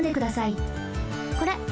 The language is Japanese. これ。